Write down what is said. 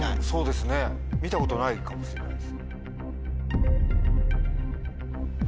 そうですね見たことないかもしれないです。